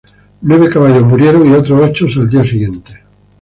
Nueve caballos murieron y otros ocho al día siguiente.